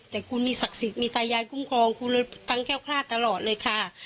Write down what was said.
แต่คุณมีศักดิ์สิทธิ์มีตายายคุ้มครองคุณเลยทั้งแค้วคลาดตลอดเลยค่ะ